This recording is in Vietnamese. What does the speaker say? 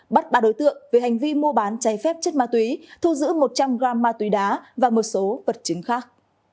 bắt ba đối tượng về hành vi mua bán cháy phép chất ma túy thu giữ một trăm linh g ma túy đá và một số vật chứng khác